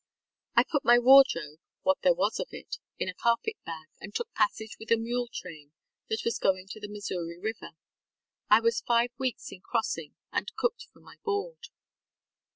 ŌĆ£I put my wardrobe, what there was of it, in a carpet bag, and took passage with a mule train that was going to the Missouri River. I was five weeks in crossing and cooked for my board.